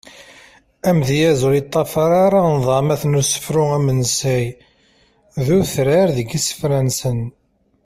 Amedyaz ur yeṭṭafar ara nḍamat n usefru amensay d utrar deg isefra-nsen.